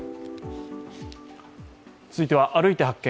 続いては「歩いて発見！